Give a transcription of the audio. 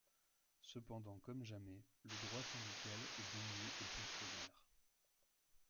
Cependant comme jamais, le droit syndical est dénié aux fonctionnaires.